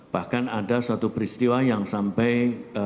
bahkan ada satu peristiwa yang sampai